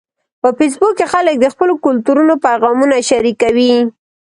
په فېسبوک کې خلک د خپلو کلتورونو پیغامونه شریکوي